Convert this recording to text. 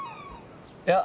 いや。